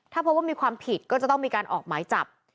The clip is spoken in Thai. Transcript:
ถ้าพบว่ามีความผิดก็จะต้องมีการออกหมายจับ